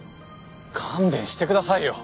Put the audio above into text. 勘弁してくださいよ。